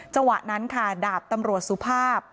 จังหวะนั้นค่ะดาบตำรวจสุภาพ